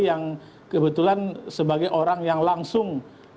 yang kebetulan sebagai orang yang langsung